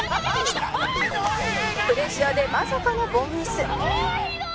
プレッシャーでまさかの凡ミス